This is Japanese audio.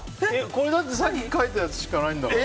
だってさっき書いたやつしかないんだから。